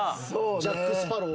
ジャック・スパロウ。